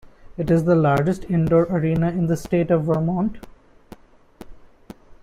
It is the largest indoor arena in the state of Vermont.